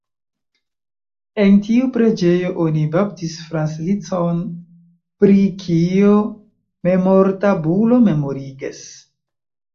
En tiu preĝejo oni baptis Franz Liszt-on, pri kio memortabulo memorigas.